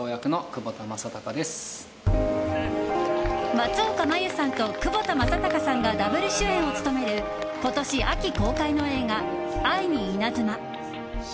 松岡茉優さんと窪田正孝さんがダブル主演を務める今年秋公開の映画「愛にイナズマ」。